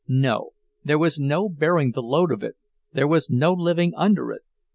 No, there was no bearing the load of it, there was no living under it.